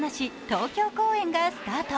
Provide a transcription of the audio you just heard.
東京公演がスタート。